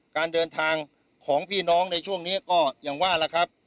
การเดินทางของพี่น้องในช่วงนี้ก็อย่างว่าล่ะครับ